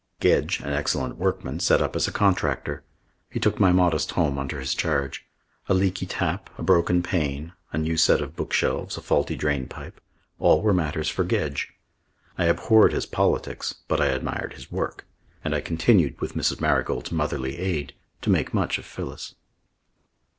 Gedge, an excellent workman, set up as a contractor. He took my modest home under his charge. A leaky tap, a broken pane, a new set of bookshelves, a faulty drainpipe all were matters for Gedge. I abhorred his politics but I admired his work, and I continued, with Mrs. Marigold's motherly aid, to make much of Phyllis.